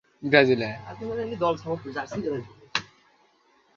তবে বাসের সংখ্যা অপ্রতুল হওয়ায় যাত্রীদের সামাল দিতে হিমশিম খাচ্ছে দাঙ্গা পুলিশ।